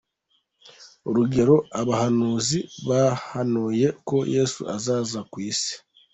Urugero, Abahanuzi bahanuye ko Yesu azaza ku isi.